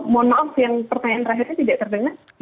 mohon maaf sih yang pertanyaan terakhir ini tidak terdengar